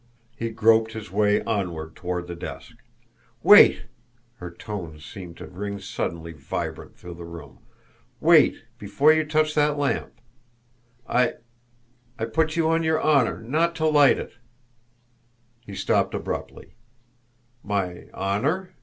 He groped his way onward toward the desk. "WAIT!" her tones seemed to ring suddenly vibrant through the room. "Wait, before you touch that lamp! I I put you on your honour not to light it." He stopped abruptly. "My honour?"